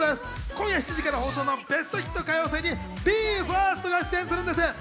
今夜７時から放送の『ベストヒット歌謡祭』にＢＥ：ＦＩＲＳＴが出演するんです。